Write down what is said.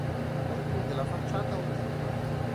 Conclude la facciata un timpano.